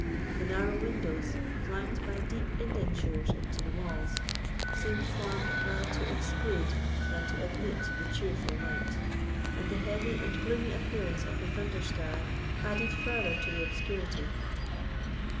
The narrow windows, flanked by deep indentures into the walls, seemed formed rather to exclude than to admit the cheerful light; and the heavy and gloomy appearance of the thunder sky added still farther to the obscurity.